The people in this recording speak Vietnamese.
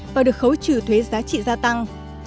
và được khấu trừ thuế giá trị gia tăng